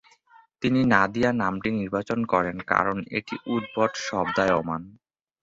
তিনি নাদিয়া নামটি নির্বাচন করেন কারণ এটি "উদ্ভট-শব্দায়মান"।